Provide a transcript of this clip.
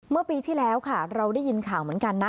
เมื่อปีที่แล้วค่ะเราได้ยินข่าวเหมือนกันนะ